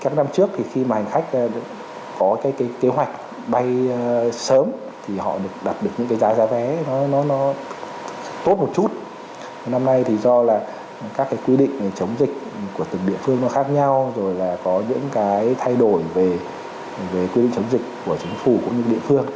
năm nay thì do là các quy định chống dịch của từng địa phương nó khác nhau rồi là có những cái thay đổi về quy định chống dịch của chính phủ cũng như địa phương